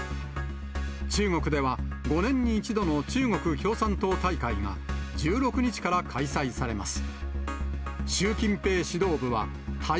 中国では５年に１度の中国共産党大会が、１６日から開催されます。